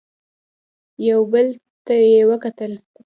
يو بل ته يې وکتل.